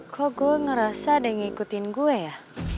kok gue ngerasa ada yang ngikutin gue ya